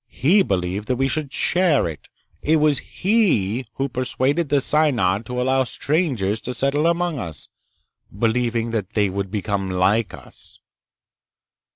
He believed that we should share it. It was he who persuaded the Synod to allow strangers to settle among us, believing that they would become like us."